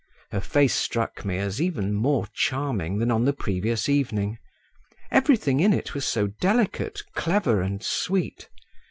Her face struck me as even more charming than on the previous evening; everything in it was so delicate, clever, and sweet.